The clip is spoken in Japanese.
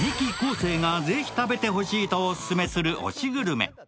生がぜひ食べてほしいとオススメする推しグルメ。